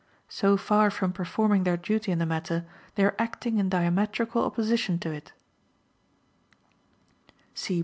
So far from performing their duty in the matter, they are acting in diametrical opposition to it.